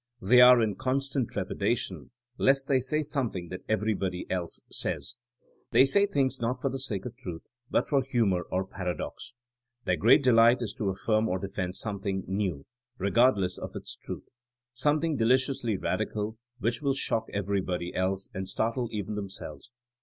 They are in constant trepidation lest they say something that everybody else says. They say things not for the sake of truth but for humor or paradox. Their great delight is to affirm or defend some thing *'new'' regardless of its truth; something deliciously radical which will shock everybody else and startle even themselves.